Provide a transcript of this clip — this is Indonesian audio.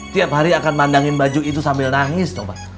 tiap hari akan mandangin baju itu sambil nangis